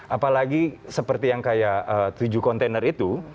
apalagi seperti yang kayak tujuh kontainer itu